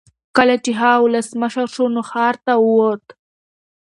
کله چې هغه ولسمشر شو نو ښار ته وووت.